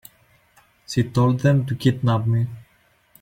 She told them to kidnap me.